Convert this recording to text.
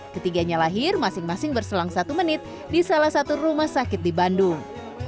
ketiganya lahir masing masing berselang satu menit di salah satu rumah sakit di bandung